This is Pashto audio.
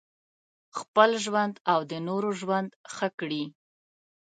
خپل ژوند او د نورو ژوند ښه کړي.